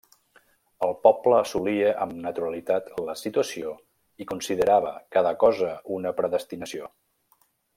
El poble assolia amb naturalitat la situació i considerava cada cosa una predestinació.